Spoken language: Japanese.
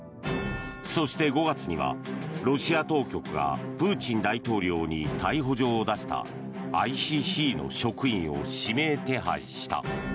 そして５月にはロシア当局がプーチン大統領に逮捕状を出したＩＣＣの職員を指名手配した。